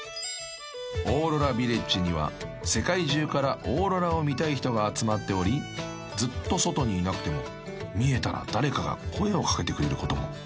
［オーロラビレッジには世界中からオーロラを見たい人が集まっておりずっと外にいなくても見えたら誰かが声を掛けてくれることも］